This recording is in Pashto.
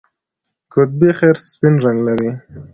قطبي خرس سپین رنګ لري